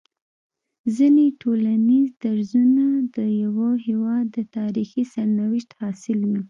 ځيني ټولنيز درځونه د يوه هيواد د تاريخي سرنوشت حاصل وي